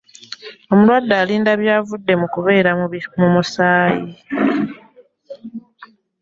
Omulwadde alinda byavudde mu kukebera musaayi.